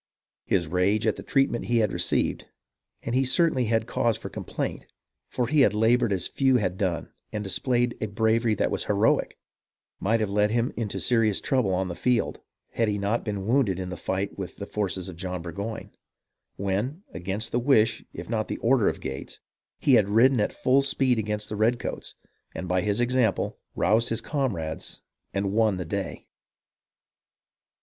His rage at the treatment he had received — and he certainly had cause for complaint, for he had laboured as few had done and displayed a bravery that was heroic — might have led him into serious trouble on the field, had he not been wounded in the fight with the forces of John Burgoyne, when, against the wish if not the order of Gates, he had ridden at full speed against the redcoats, and, by his example, roused his comrades and won the day.